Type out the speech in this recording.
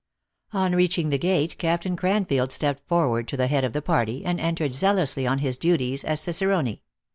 On reaching the gate Captain Cranfield stepped forward to the head of the party, and entered zeal ously on his duties as cicerone.